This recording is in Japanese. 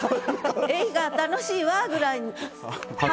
映画楽しいわぐらいに。